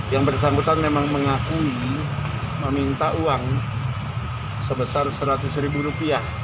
yang bersangkutan memang mengaku meminta uang sebesar seratus ribu rupiah